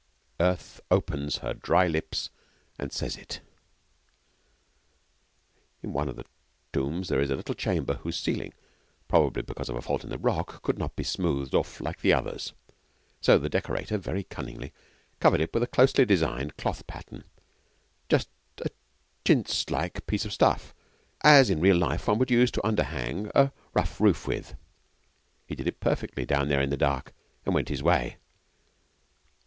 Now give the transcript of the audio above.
Earth opens her dry lips and says it. In one of the tombs there is a little chamber whose ceiling, probably because of a fault in the rock, could not be smoothed off like the others. So the decorator, very cunningly, covered it with a closely designed cloth pattern just such a chintz like piece of stuff as, in real life, one would use to underhang a rough roof with. He did it perfectly, down there in the dark, and went his way.